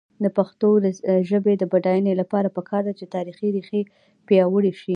د پښتو ژبې د بډاینې لپاره پکار ده چې تاریخي ریښې پیاوړې شي.